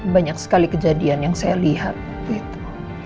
banyak sekali kejadian yang saya lihat waktu itu